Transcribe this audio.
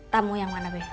tamu yang mana be